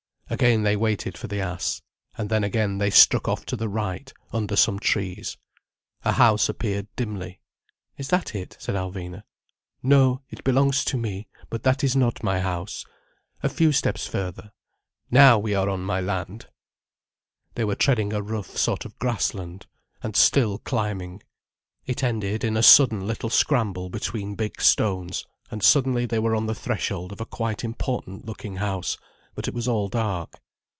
Again they waited for the ass. And then again they struck off to the right, under some trees. A house appeared dimly. "Is that it?" said Alvina. "No. It belongs to me. But that is not my house. A few steps further. Now we are on my land." They were treading a rough sort of grass land—and still climbing. It ended in a sudden little scramble between big stones, and suddenly they were on the threshold of a quite important looking house: but it was all dark.